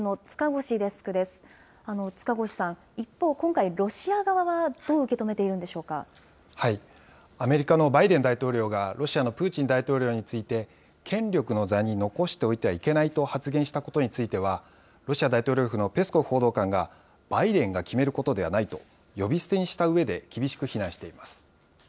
塚越さん、一方、今回、ロシア側はどう受け止めているんでしょうアメリカのバイデン大統領がロシアのプーチン大統領について、権力の座に残しておいてはいけないと発言したことについては、ロシア大統領府のペスコフ報道官が、バイデンが決めることではないと、呼び捨てにしたうえで厳しく非難しています。